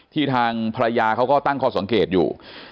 ทางภรรยาเขาก็ตั้งข้อสังเกตอยู่